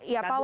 ya pak wahyu